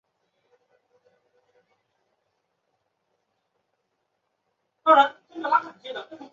实际从事农业生产的人